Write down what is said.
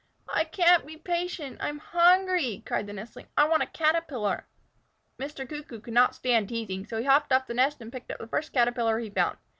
"I can't be patient. I'm hungry," cried the nestling. "I want a Caterpillar." Mr. Cuckoo could not stand teasing, so he hopped off the nest and picked up the first Caterpillar he found.